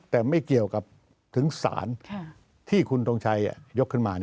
แต่ไม่เกี่ยวกับถึงศาลที่คุณทงชัยยกขึ้นมา